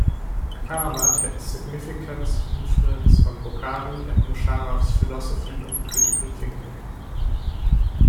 Karamat had significance influence on Bokhari and Musharraf's philosophy and critical thinking.